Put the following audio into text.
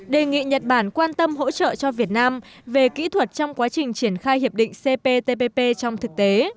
đề nghị nhật bản quan tâm hỗ trợ cho việt nam về kỹ thuật trong quá trình triển khai hiệp định cptpp trong thực tế